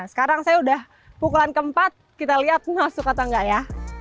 sekarang saya udah pukulan keempat kita lihat masuk atau enggak ya